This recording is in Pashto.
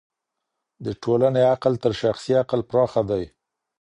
د ټولني عقل تر شخصي عقل پراخه دی.